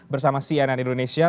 bersama cnn indonesia